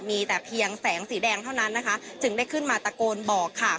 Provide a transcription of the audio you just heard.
มีแต่เพียงแสงสีแดงเท่านั้นนะคะจึงได้ขึ้นมาตะโกนบอกค่ะ